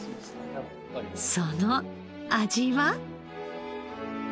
その味は？